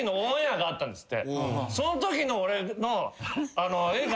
そのときの俺の絵が。